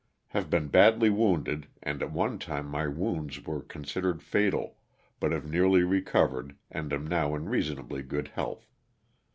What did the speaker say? Have been badly wounded and at one time my wounds were considered fatal, but have nearly recovered and am now in reasonably good health.